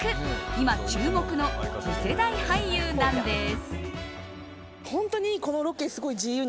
今注目の次世代俳優なんです。